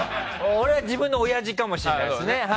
俺は自分のおやじかもしれないですね。